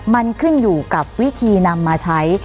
มันขึ้นอยู่กับวิธีนำมาใช้